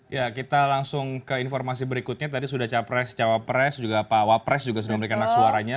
ya kita langsung ke informasi berikutnya tadi sudah capres cawapres juga pak wapres juga sudah memberikan hak suaranya